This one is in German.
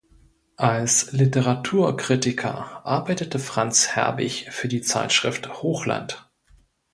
Als Literaturkritiker arbeitete Franz Herwig für die Zeitschrift Hochland.